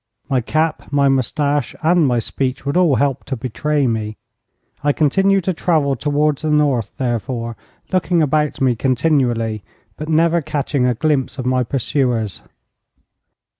My cap, my moustache, and my speech would all help to betray me. I continued to travel towards the north therefore, looking about me continually, but never catching a glimpse of my pursuers.